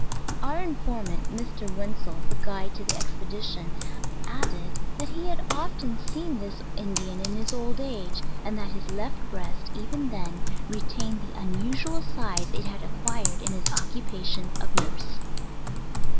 Our informant (Mr, Wentzel, the guide to the expedition) added, that he had of APPENDIX. 237 ten seen this Indian in his old age, and that his Jeft breast, even then, retained the unusual size it had acquired in his occupation of nurse."